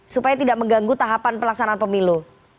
supaya tidak mengganggu tahapan pelaksanaan pemilu